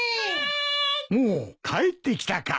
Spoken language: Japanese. おお帰ってきたか。